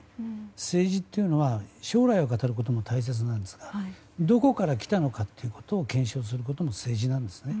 政治というのは将来を語ることも大切なんですがどこから来たのかということを検証することも政治なんですね。